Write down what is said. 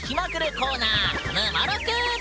コーナー